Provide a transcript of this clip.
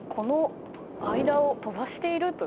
間を飛ばしていると。